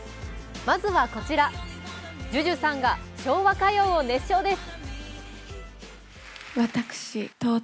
まずはこちら、ＪＵＪＵさんが昭和歌謡を熱唱です。